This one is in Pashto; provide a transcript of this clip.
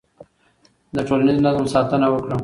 د ټولنیز نظم ساتنه وکړه.